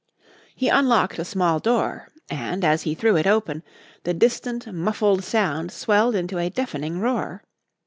"He unlocked a small door and, as he threw it open, the distant, muffled sound swelled into a deafening roar.